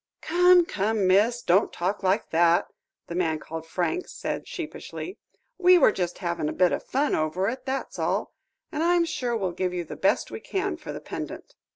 "Come, come, miss; don't talk like that," the man called Franks said sheepishly; "we were just having a bit of fun over it, that's all. And I'm sure we'll give you the best we can for the pendant."